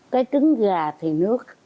cái trứng gà thì nước